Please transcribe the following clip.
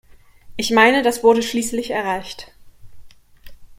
Ich meine, das wurde schließlich erreicht.